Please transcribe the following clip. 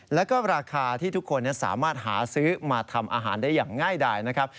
แล้วก็ราคาที่ทุกคนสามารถหาซื้อมาทำอาหารได้อย่างง่ายดายนะครับ